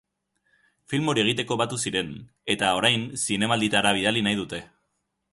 Film hori egiteko batu ziren, eta orain zinemaldietara bidali nahi dute.